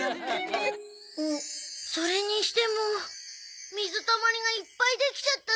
それにしても水たまりがいっぱいできちゃったね。